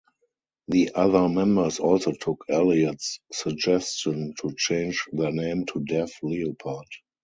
The other members also took Elliott's suggestion to change their name to Deaf Leopard.